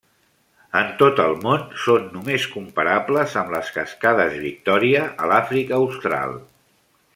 En tot el món són només comparables amb les cascades Victòria, a l'Àfrica Austral.